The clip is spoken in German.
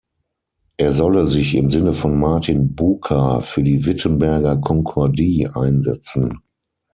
Er solle sich im Sinne von Martin Bucer für die Wittenberger Konkordie einsetzen.